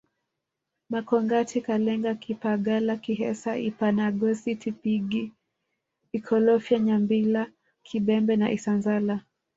Makongati Kalenga kipagala kihesa Ibanagosi Tipingi Ikolofya Nyambila kibebe na Isanzala